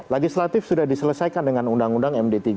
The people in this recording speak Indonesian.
legislatif sudah diselesaikan dengan undang undang md tiga